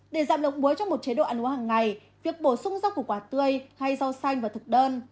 để giảm lượng muối trong một chế độ ăn uống hằng ngày việc bổ sung rau củ quả tươi hay rau xanh vào thực đơn